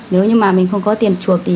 nếu như mà mình không có tiền chuộc thì